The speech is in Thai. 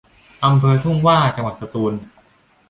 อำเภอทุ่งหว้า จังหวัดสตูล